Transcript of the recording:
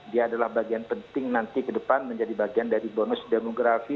dia adalah bagian penting nanti ke depan menjadi bagian dari bonus demografi